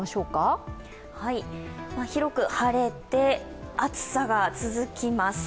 広く晴れて、暑さが続きます。